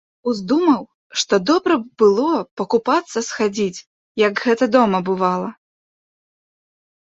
Уздумаў, што добра б было пакупацца схадзіць, як гэта дома бывала.